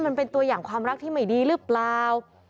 มันเป็นตัวอย่างความรักที่ไม่ดีหรือเปล่า